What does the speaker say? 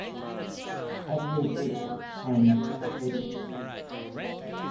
Have your cake and eat it.